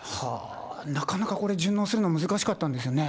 なかなかこれ、順応するの難しかったんですよね。